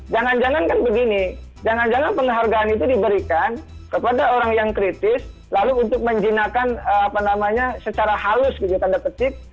jangan jangan kan begini jangan jangan penghargaan itu diberikan kepada orang yang kritis lalu untuk menjinakkan secara halus tanda ketik